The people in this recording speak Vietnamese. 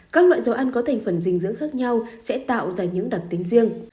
các loại dầu ăn có thành phần dinh dưỡng khác nhau sẽ tạo ra những đặc tính riêng